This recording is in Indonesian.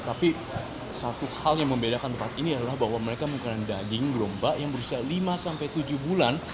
tapi satu hal yang membedakan tempat ini adalah bahwa mereka menggunakan daging gerombak yang berusia lima sampai tujuh bulan